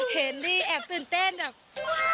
เห็นนี่แอบตื่นเต้นแบบ